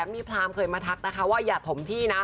มีพรามเคยมาทักนะคะว่าอย่าถมที่นะ